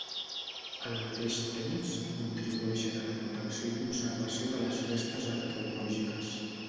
Al mateix temps contribueixen a la protecció i conservació de les restes arqueològiques.